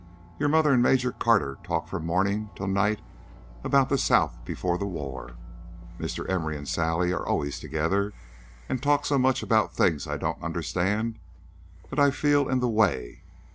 Your mother and Major Carter talk from morning till night about the South before the War. Mr. Emory and Sally are always together, and talk so much about things I don't understand that I feel in the way.